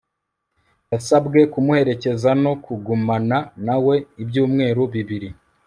yasabwe kumuherekeza no kugumana na we ibyumweru bibiri